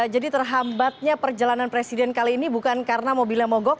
jadi terhambatnya perjalanan presiden kali ini bukan karena mobilnya mogok